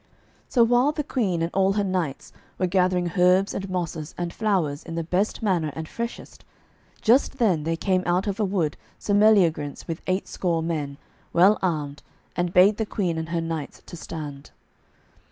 So while the Queen and all her knights were gathering herbs and mosses and flowers in the best manner and freshest, just then there came out of a wood Sir Meliagrance with eight score men, well armed, and bade the Queen and her knights to stand.